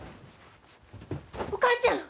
お母ちゃん！